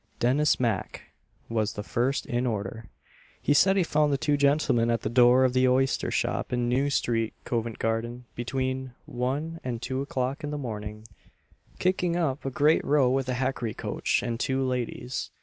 Dennis Mack was the first in order. He said he found the two gentlemen at the door of the oyster shop in New street, Covent garden, between one and two o'clock in the morning, kicking up a great row with a hackney coach and two ladies.